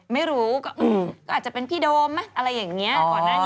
ไม่รู้อาจจะเป็นพี่โดมอะไรอย่างนี้